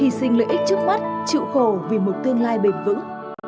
hy sinh lợi ích trước mắt chịu khổ vì một tương lai bền vững